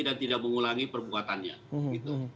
dan tidak mengulangi perbuatannya gitu